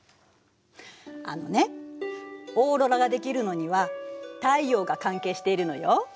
あのねオーロラが出来るのには太陽が関係しているのよ。